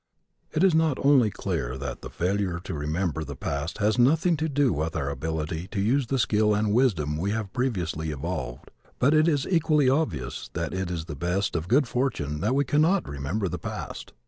It is not only clear that the failure to remember the past has nothing to do with our ability to use the skill and wisdom we have previously evolved but it is equally obvious that it is the best of good fortune that we cannot remember the past.